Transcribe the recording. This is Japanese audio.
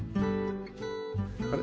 あれ？